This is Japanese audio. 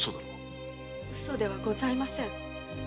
ウソではございません。